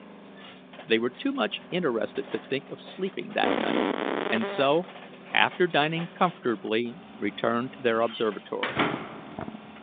They were too much interested to think of sleeping that night, and so, after dining comfortably returned to their observatory.